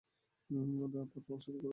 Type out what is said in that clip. আরে, আবার শুরু করে দিও না।